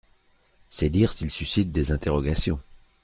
C’est dire s’il suscite des interrogations.